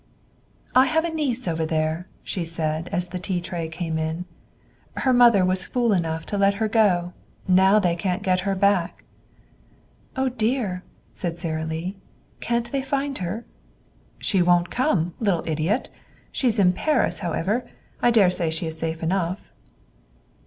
"I have a niece over there," she said as the tea tray came in. "Her mother was fool enough to let her go. Now they can't get her back." "Oh, dear!" said Sara Lee. "Can't they find her?" "She won't come. Little idiot! She's in Paris, however. I daresay she is safe enough."